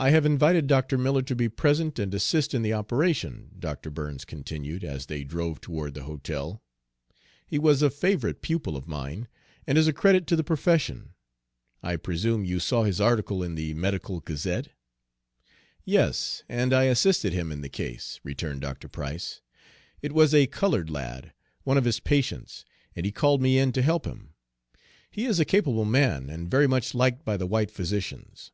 "I have invited Dr. Miller to be present and assist in the operation," Dr. Burns continued, as they drove toward the hotel. "He was a favorite pupil of mine, and is a credit to the profession. I presume you saw his article in the Medical Gazette?" "Yes, and I assisted him in the case," returned Dr. Price. "It was a colored lad, one of his patients, and he called me in to help him. He is a capable man, and very much liked by the white physicians."